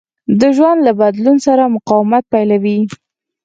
د ژوند له بدلون سره مقاومت پيلوي.